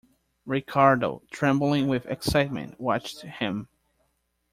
Ricardo, trembling with excitement, watched him.